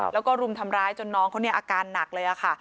แล้วก็รุมทำร้ายจนน้องเขาเนี่ยอาการหนักเลยค่ะ